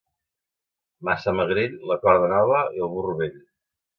Massamagrell, la corda nova i el burro vell.